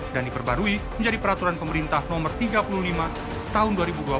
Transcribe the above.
dan diperbarui menjadi peraturan pemerintah no tiga puluh lima tahun dua ribu dua puluh